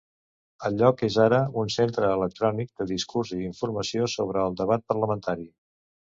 El lloc és ara un centre electrònic de discurs i informació sobre el debat parlamentari.